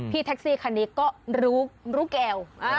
แท็กซี่คันนี้ก็รู้แก้ว